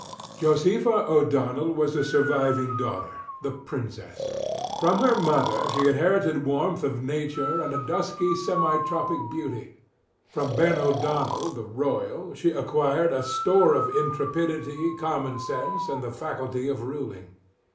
Josefa O'Donnell was the surviving daughter, the princess. From her mother she inherited warmth of nature and a dusky, semi tropic beauty. From Ben O'Donnell the royal she acquired a store of intrepidity, common sense, and the faculty of ruling.